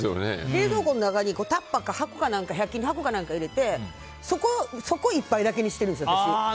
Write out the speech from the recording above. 冷蔵庫の中にタッパーとか１００均の箱か何か入れてそこをいっぱいにしてるんですよ。